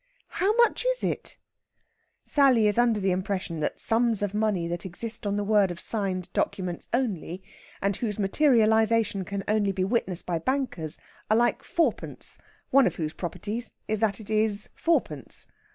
"How much is it?" Sally is under the impression that sums of money that exist on the word of signed documents only, and whose materialisation can only be witnessed by bankers, are like fourpence, one of whose properties is that it is fourpence.